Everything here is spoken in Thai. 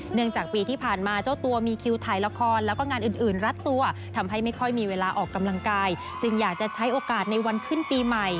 เนื่องจากปีที่ผ่านมาเจ้าตัวมีคิวถ่ายละครแล้วก็งานอื่นรัดตัวทำให้ไม่ค่อยมีเวลาออกกำลังกายจึงอยากจะใช้โอกาสในวันขึ้นปีใหม่